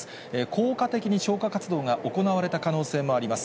効果的に消火活動が行われた可能性もあります。